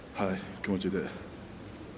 気持ちで。